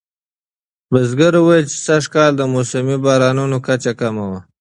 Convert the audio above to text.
بزګر وویل چې سږکال د موسمي بارانونو کچه کمه وه.